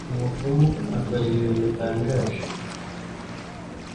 Umupfumu akora ibintu bitangaje.